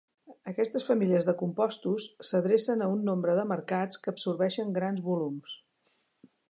Aquestes famílies de compostos s'adrecen a un nombre de mercats que absorbeixen grans volums.